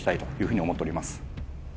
ふうに思っております